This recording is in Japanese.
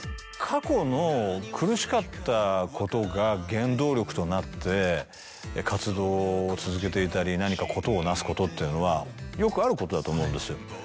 自身の。となって活動を続けていたり何か事をなすことっていうのはよくあることだと思うんですよ。